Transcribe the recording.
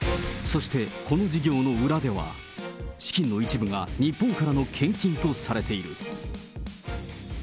そしてこの事業の裏では、資金の一部が日本からの献金とされている。